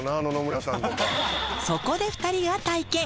そこで２人が体験。